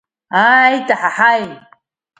Аат, аҳаҳаи!